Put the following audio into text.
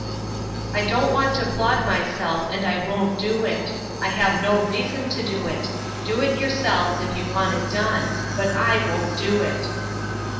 I don't want to flog myself and I won't do it. I have no reason to do it. Do it yourselves, if you want it done; but I won't do it.